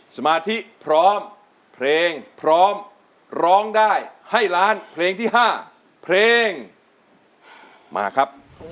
สมาธิพร้อมเพลงพร้อมร้องได้ให้ล้านเพลงที่๕เพลงมาครับ